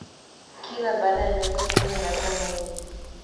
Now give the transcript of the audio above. Kila baada ya miaka kumi na tano hivi